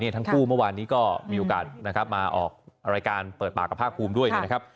ทั้งคู่เมื่อวานนี้ก็มีโอกาสนะครับมาออกรายการเปิดปากกับภาคภูมิด้วยนะครับ